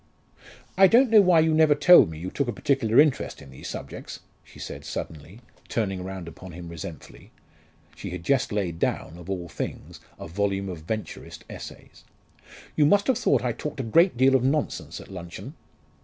"I don't know why you never told me you took a particular interest in these subjects," she said suddenly, turning round upon him resentfully she had just laid down, of all things, a volume of Venturist essays. "You must have thought I talked a great deal of nonsense at luncheon."